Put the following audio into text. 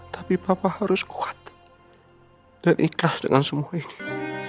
tapi papa harus kuat dan ikhlas dengan semua ini